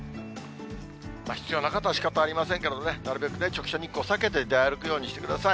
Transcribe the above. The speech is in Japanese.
必要な方はしかたありませんけどね、なるべく直射日光避けて出歩くようにしてください。